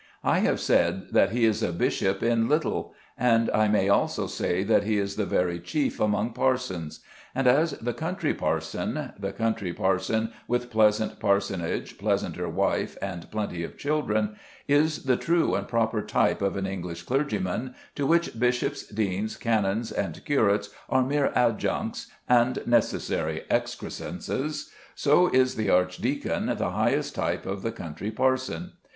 I have said that he is a bishop in little, and I may also say that he is the very chief among parsons; and as the country parson the country parson with pleasant parsonage, pleasanter wife, and plenty of children is the true and proper type of an English clergyman, to which bishops, deans, canons, and curates are mere adjuncts and necessary excrescences, so is the archdeacon the highest type of the country parson.